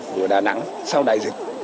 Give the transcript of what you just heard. của đà nẵng sau đại dịch